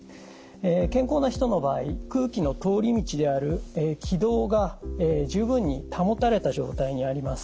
健康な人の場合空気の通り道である気道が十分に保たれた状態にあります。